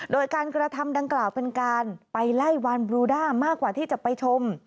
โดยการกระทำดังกล่าวเป็นการไปไล่วานบลูด้ามากกว่าที่จะไปชม